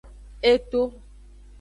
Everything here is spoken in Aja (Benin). E to.